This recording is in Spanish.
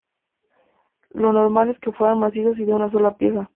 Lo normal es que fueran macizos y de una sola pieza.